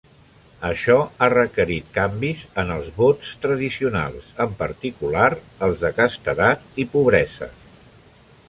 Això ha requerit canvis en els vots tradicionals, en particular els de castedat i pobresa.